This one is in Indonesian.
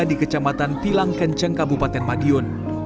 di kecamatan pilang kenceng kabupaten madiun